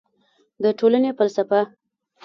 د ټولنې فلسفه